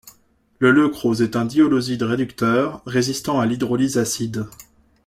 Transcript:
Le leucrose est un diholoside réducteur résistant a l'hydrolyse acide.